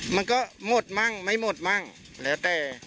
มันก็หมดมั่งไม่หมดมั่งแล้วแต่